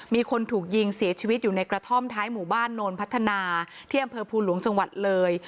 มีคนถูกยิงเสียชีวิตอยู่ในกระท่อมท้ายหมู่บ้านโนนพัฒนาที่อำเภอภูหลวงจังหวัดเลย